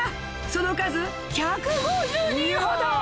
その数１５０人ほど！